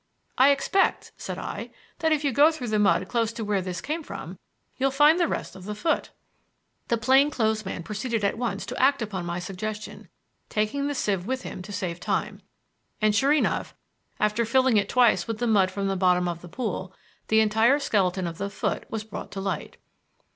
"I expect," said I, "that if you go through the mud close to where this came from you'll find the rest of the foot." The plain clothes man proceeded at once to act on my suggestion, taking the sieve with him to save time. And sure enough, after filling it twice with the mud from the bottom of the pool, the entire skeleton of the foot was brought to light.